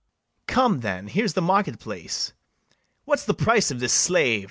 Come, then; here's the market place. What's the price of this slave?